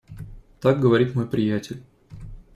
Так говорит мой приятель.